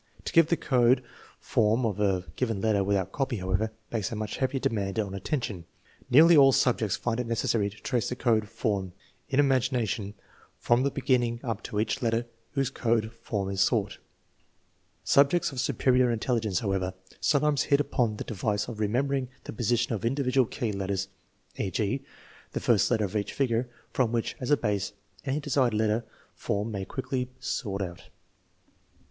To give the code form of a given letter without copy, however, makes a much heavier demand on attention. Nearly all subjects find it necessary to trace the code form, in imagination, from the beginning up to each letter whose code form is sought. Subjects of 332 THE MEASUREMENT OP INTELLIGENCE superior Intelligence, however, sometimes hit upon the de vice of remembering the position of individual key letters e.g. (the first letter of each figure) from which, as a base, any desired letter form may be quickly sought out.